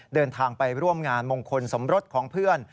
เดินทางไปร่วมงานมงคลสมรสของเพื่อน